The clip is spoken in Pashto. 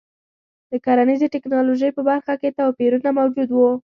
د کرنیزې ټکنالوژۍ په برخه کې توپیرونه موجود وو.